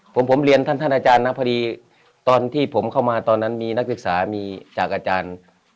ผมเรียนท่านอาจารย์นะพอดีตอนที่ผมเข้ามาตอนนั้นมีนักศึกษามีจากอาจารย์